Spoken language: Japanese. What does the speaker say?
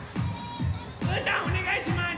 うーたんおねがいします！